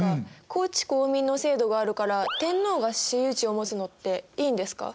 公地公民の制度があるから天皇が私有地を持つのっていいんですか？